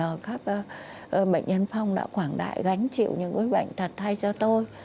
người khác là nhờ các bệnh yên phong đã quảng đại gánh chịu những cái bệnh thật thay cho tôi